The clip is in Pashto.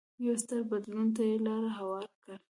یو ستر بدلون ته یې لار هواره کړه.